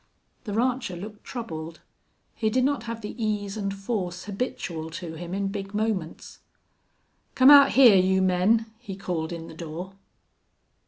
The rancher looked troubled. He did not have the ease and force habitual to him in big moments. "Come out hyar, you men," he called in the door.